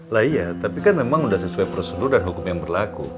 lah iya tapi kan memang sudah sesuai prosedur dan hukum yang berlaku